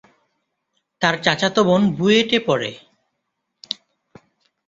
তার চাচাতো বোন বুয়েটে পড়ে।